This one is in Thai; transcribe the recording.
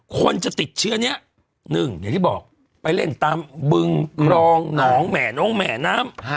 คนจะติดเชื้อนี้๑อย่างที่บอกไปเล่นตามบึงครองหนองแหม่น้องแหมน้ำ